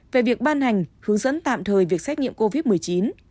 về việc ban hành hướng dẫn tạm thời việc xét nghiệm covid một mươi chín